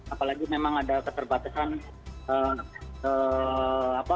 apalagi memang ada keterbatasan